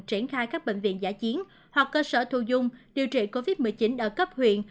triển khai các bệnh viện giả chiến hoặc cơ sở thu dung điều trị covid một mươi chín ở cấp huyện